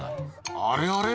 「あれあれ？